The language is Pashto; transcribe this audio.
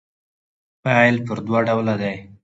فعل پر دوه ډوله دئ.